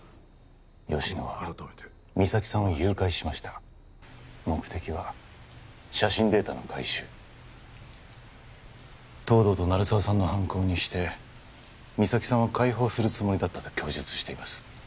吉乃は実咲さんを誘拐しました目的は写真データの回収東堂と鳴沢さんの犯行にして実咲さんは解放するつもりだったと供述しています